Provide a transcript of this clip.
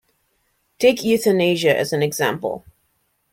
Take euthanasia as an example.